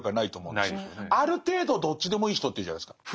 ある程度どっちでもいい人っているじゃないですか。